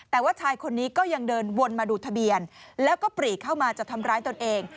แต่ว่าชายคนนี้ก็ยังเดินวนมาดูทะเบียนแล้วก็ปรีเข้ามาจะทำร้ายตนเอง